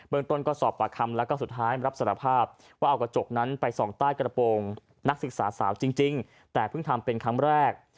เมืองต้นก็สอบปากคำแล้วก็สุดท้ายรับสารภาพว่าเอากระจกนั้นไปส่องใต้กระโปรงนักศึกษาสาวจริงแต่เพิ่งทำเป็นครั้งแรก